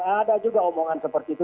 ada juga omongan seperti itu